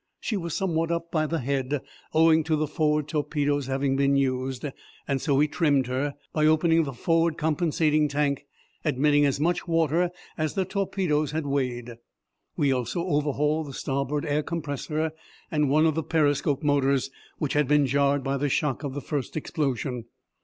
She was somewhat up by the head, owing to the forward torpedoes having been used, so we trimmed her by opening the forward compensating tank, admitting as much water as the torpedoes had weighed. We also overhauled the starboard air compressor and one of the periscope motors which had been jarred by the shock of the first explosion.